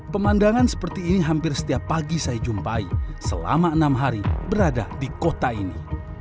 pemandangan seperti ini hampir setiap pagi saya jumpai selama enam hari berada di kota ini